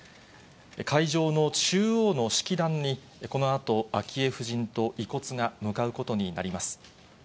会場の中央の式壇に、このあと昭恵夫人と遺骨が向かうことになります。